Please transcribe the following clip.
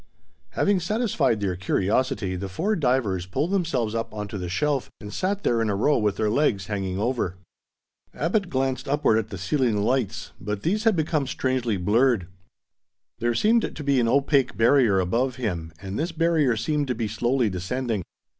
Having satisfied their curiosity, the four divers pulled themselves up onto the shelf, and sat there in a row with their legs hanging over. Abbot glanced upward at the ceiling lights, but these had become strangely blurred. There seemed to be an opaque barrier above him, and this barrier seemed to be slowly descending.